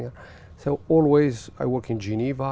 vì vậy tôi luôn làm việc ở geneva